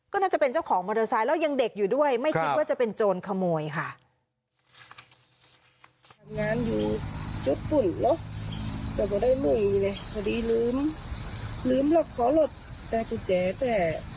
ก็น่าจะเป็นเจ้าของมอเตอร์ไซค์แล้วยังเด็กอยู่ด้วยไม่คิดว่าจะเป็นโจรขโมยค่ะ